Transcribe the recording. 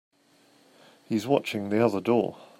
He's watching the other door.